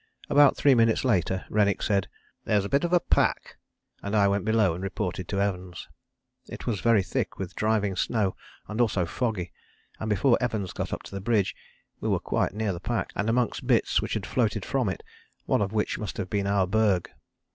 About three minutes later Rennick said, "There's a bit of pack," and I went below and reported to Evans. It was very thick with driving snow and also foggy, and before Evans got up to the bridge we were quite near the pack, and amongst bits which had floated from it, one of which must have been our berg.